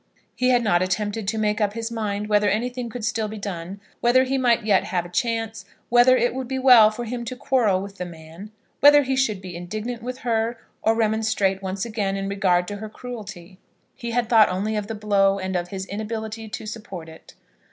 He had not attempted to make up his mind whether anything could still be done, whether he might yet have a chance, whether it would be well for him to quarrel with the man; whether he should be indignant with her, or remonstrate once again in regard to her cruelty. He had thought only of the blow, and of his inability to support it.